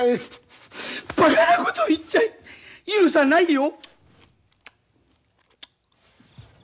バカなことを言っちゃ許さないよ！